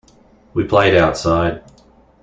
We played outside.